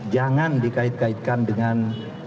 jangan dikait kaitkan dengan